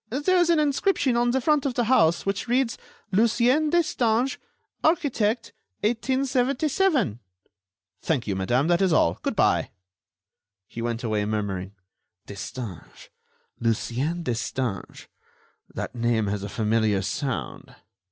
"There is an inscription on the front of the house which reads: 'Lucien Destange, architect, 1877.'" "Thank you, madame, that is all. Good bye." He went away, murmuring: "Destange ... Lucien Destange ... that name has a familiar sound."